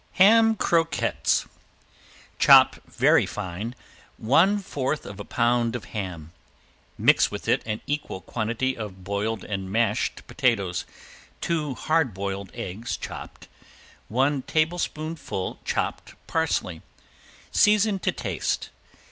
~HAM CROQUETTES~ Chop very fine one fourth of a pound of ham; mix with it an equal quantity of boiled and mashed potatoes, two hard boiled eggs chopped, one tablespoonful chopped parsley. Season to taste.